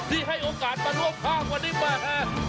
เกือบจะเข้าจะถึง